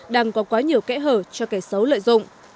đang có quá nhiều kẽ hở cho kẻ xấu lợi dụng